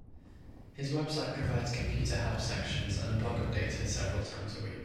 His website provides computer help sections and a blog updated several times a week.